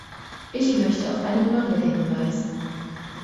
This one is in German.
Ich möchte auf einen Mangel hinweisen.